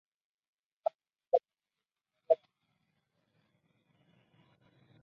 Aunque fue sacado del mercado al tener problemas con el tono de llamada.